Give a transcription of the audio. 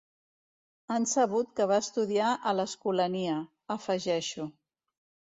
Han sabut que va estudiar a l'Escolania —afegeixo.